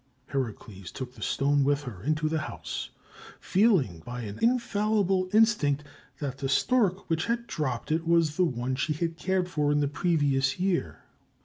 Heracleis took the stone with her into the house, feeling by an infallible instinct that the stork which had dropped it was the one she had cared for in the previous year.